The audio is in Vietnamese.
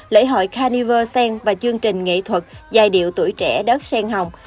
lễ hội carnival sen và chương trình nghệ thuật dài điệu tuổi trẻ đất sen hồng